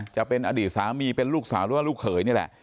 จะเป็นอดีตสามีเป็นลูกสาวหรือว่าลูกเขยนี่แหละ